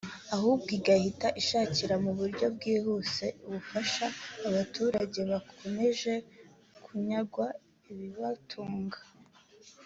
ahubwo igahita ishakira mu buryo bwihuse ubufasha aba baturage bakomeje kunyagwa ibibatunga